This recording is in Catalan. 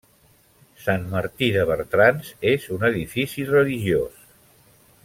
Sant Martí de Bertrans és un edifici religiós.